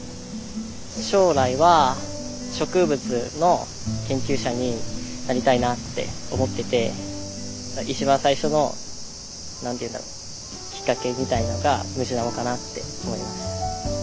将来は植物の研究者になりたいなって思ってて一番最初の何て言うんだろうきっかけみたいのがムジナモかなって思います。